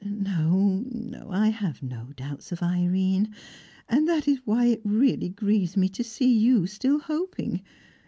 No, no, I have no doubts of Irene. And that is why it really grieves me to see you still hoping.